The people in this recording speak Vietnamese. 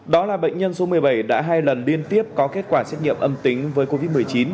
đó là bệnh nhân số một mươi bảy đã hai lần liên tiếp có kết quả xét nghiệm âm tính với covid một mươi chín